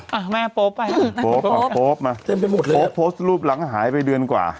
อ่ะแม่โป๊ปไปนะนักคุณโป๊ปมาโป๊ปโพสต์รูปหลังหายไปเดือนกว่า